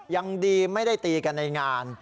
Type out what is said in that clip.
ยังดีไม่ได้ตีกันในงาน